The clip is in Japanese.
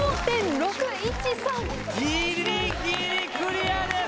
ギリギリクリアです！